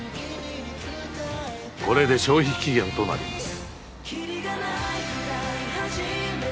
これで消費期限となります。